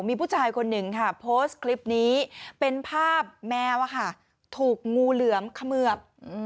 มีผู้ชายคนหนึ่งค่ะโพสต์คลิปนี้เป็นภาพแมวถูกงูเหลือมเขมือบ